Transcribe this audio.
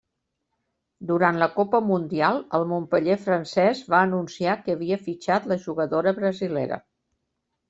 Durant la Copa Mundial, el Montpeller francès va anunciar que havia fitxat la jugadora brasilera.